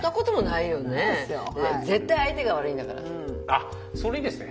あっそれいいですね。